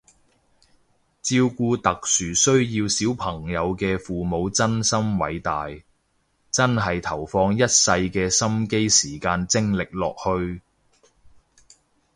照顧特殊需要小朋友嘅父母真心偉大，真係投放一世嘅心機時間精力落去